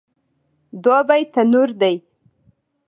دوبی تنور دی